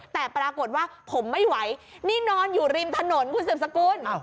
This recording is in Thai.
แต่ปรากฏว่าผมไม่ไหวนี่นอนอยู่ริมถนนคุณสืบสกุล